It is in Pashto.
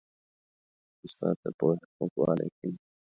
استاد د پوهنې خوږوالی ښيي.